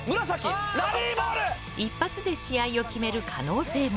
一発で試合を決める可能性も。